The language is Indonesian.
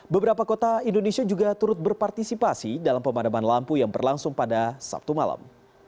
beberapa kota indonesia juga turut berpartisipasi dalam pemadaman lampu yang berlangsung pada sabtu malam